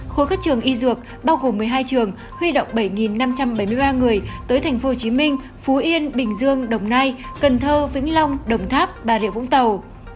khối các trường y dược bao gồm một mươi hai trường huy động bảy năm trăm bảy mươi ba người tới tp hcm phú yên bình dương đồng nai cần thơ vĩnh long đồng tháp bà rịa vũng tàu